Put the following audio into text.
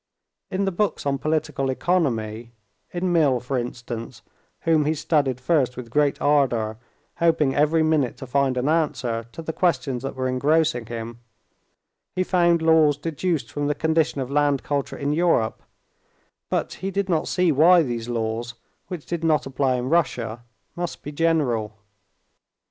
In the books on political economy—in Mill, for instance, whom he studied first with great ardor, hoping every minute to find an answer to the questions that were engrossing him—he found laws deduced from the condition of land culture in Europe; but he did not see why these laws, which did not apply in Russia, must be general.